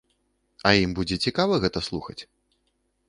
А ім будзе цікава гэта слухаць?